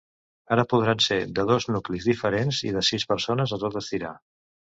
Ara podran ser de dos nuclis diferents i de sis persones a tot estirar.